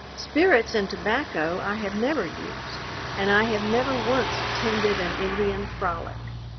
Spirits and tobacco I have never used, and I have never once attended an Indian frolic.